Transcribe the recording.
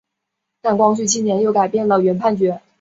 但光绪七年又改变原判决。